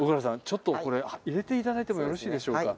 ちょっとこれ入れて頂いてもよろしいでしょうか。